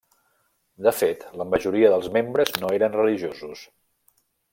De fet la majoria dels membres no eren religiosos.